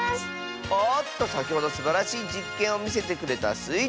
おっとさきほどすばらしいじっけんをみせてくれたスイ